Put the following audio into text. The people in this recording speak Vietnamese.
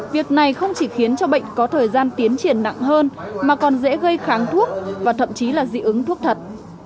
việc này không chỉ khiến cho bệnh có thời gian tiến triển nặng hơn mà còn dễ gây kháng thuốc và thậm chí là dị ứng thuốc thật